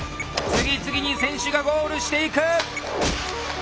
次々に選手がゴールしていく！